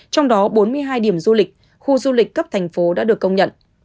trong đó bốn mươi hai điểm du lịch khu du lịch cấp thành phố đã được công nhận